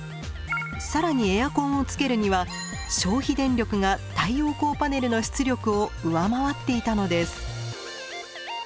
さらにエアコンをつけるには消費電力が太陽光パネルの出力を上回っていたのです。